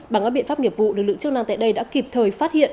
bằng các biện pháp nghiệp vụ lực lượng chức năng tại đây đã kịp thời phát hiện